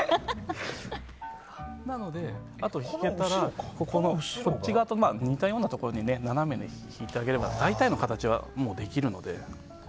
なので、あと線が引けたらこっち側と似たようなところに斜めに引いてあげれば大体の形はもうできるので。